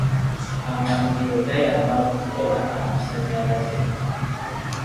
Amabibiro gayamba mu kukola amasannyalaze.